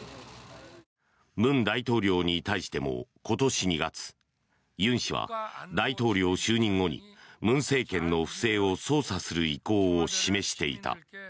文大統領に対しても今年２月尹氏は大統領就任後に文政権の不正を捜査する意向を示していた。